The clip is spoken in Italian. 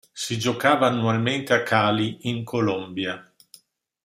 Si giocava annualmente a Cali in Colombia.